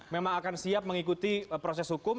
memang akan siap mengikuti proses hukum